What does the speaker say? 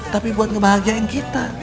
tapi buat ngebahagiain kita